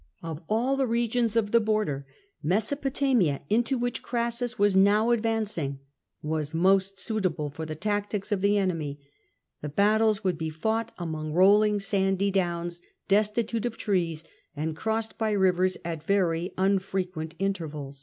Of all the regions of the border, Mesopotamia, into which Crassus was now advancing, was most suitable for the tactics of the enemy: the battles would be fought among rolling sandy downs, destitute of trees, and crossed by rivers gt very unfrequent intervals.